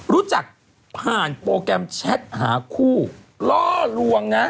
รู้จักผ่านโปรแกรมแชทหาคู่ล่อลวงนะ